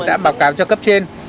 đã báo cáo cho cấp trên